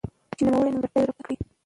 چې نوموړي نيمګړتياوي را په ګوته کړي.